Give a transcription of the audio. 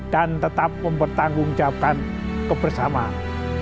dan tetap mempertanggungjawabkan kebersamaan